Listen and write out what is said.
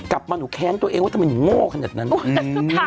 กลับมาหนูแค้นตัวเองว่าทำไมหนูง่วกระดับนั้น